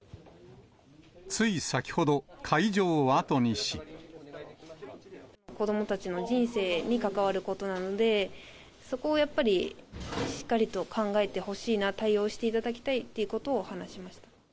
つい先ほど、子どもたちの人生に関わることなので、そこをやっぱりしっかりと考えてほしいな、対応していただきたいということを話しました。